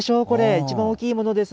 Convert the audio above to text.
一番大きいものです。